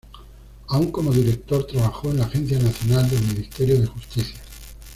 Aún como director, trabajó en la Agencia Nacional del Ministerio de Justicia.